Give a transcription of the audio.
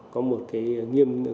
có một cái nghiêm cấp